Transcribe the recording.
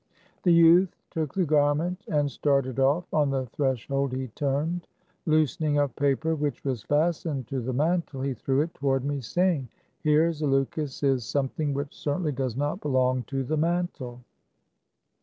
The youth took the garment and started off. On the threshold he turned. Loosening a paper which was fastened to the mantle, he threw it toward me, saying, "Here, Zaleukos, is some thing which certainly does not belong to the mantle."